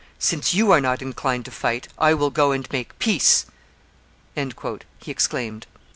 'Since you are not inclined to fight, I will go and make peace!' he exclaimed.